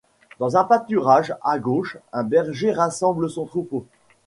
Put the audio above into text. Dans un pâturage, à gauche, un berger rassemble son troupeau.